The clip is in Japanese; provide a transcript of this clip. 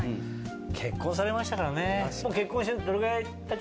結婚されましたからね。